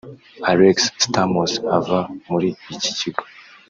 Alex Stamos ava muri iki kigo